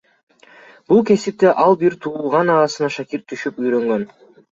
Бул кесипти ал бир тууган агасына шакирт түшүп үйрөнгөн.